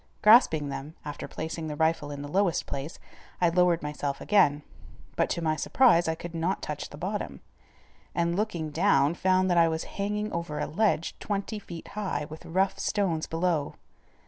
Grasping them, after placing the rifle in the lowest place, I lowered myself again, but to my surprise I could not touch the bottom, and, looking down, found that I was hanging over a ledge twenty feet high with rough stones below.